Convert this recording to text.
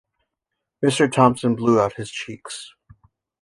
Mr. Thompson blew out his cheeks.